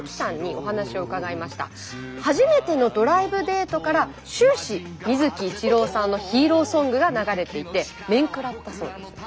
初めてのドライブデートから終始水木一郎さんのヒーローソングが流れていてめんくらったそうです。